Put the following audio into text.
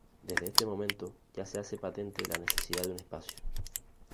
Desde este momento ya se hace patente la necesidad de un espacio.